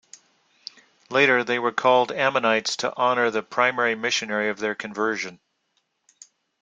Later, they were called Ammonites to honor the primary missionary of their conversion.